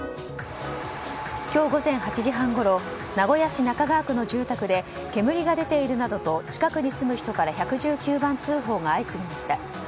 今日午前８時半ごろ名古屋市中川区の住宅で煙が出ているなどと近くに住む人から１１９番通報が相次ぎました。